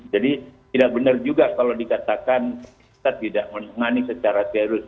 jadi tidak benar juga kalau dikatakan kita tidak menengani secara serius